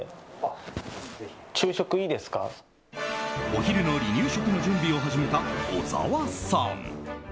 お昼の離乳食の準備を始めた小澤さん。